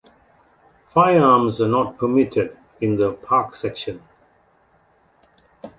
Firearms are not permitted in the park section.